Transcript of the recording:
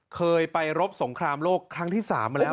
เคยไปรบสงครามโลกครั้งที่๓มาแล้ว